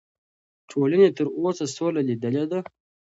ټولنې تر اوسه سوله لیدلې ده.